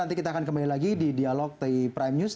nanti kita akan kembali lagi di dialog di prime news